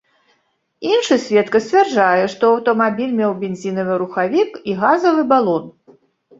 Іншы сведка сцвярджае, што аўтамабіль меў бензінавы рухавік і газавы балон.